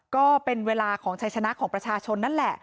ก็เป็นเวลาของชัยชนะของประชาชนนั่นแหละ